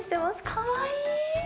かわいい。